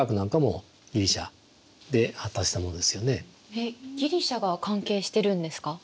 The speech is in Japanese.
えっギリシアが関係してるんですか？